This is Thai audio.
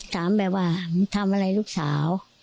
ถามแบบว่ามึงทำอะไรลูกสาว